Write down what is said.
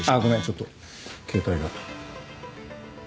ちょっと携帯が。